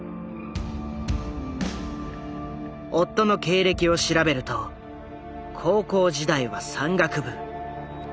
夫の経歴を調べると高校時代は山岳部。